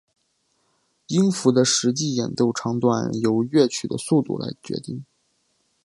音符的实际演奏长短由乐曲的速度来决定。